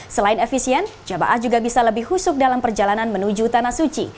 selain efisien jamaah juga bisa lebih husuk dalam perjalanan menuju tanah suci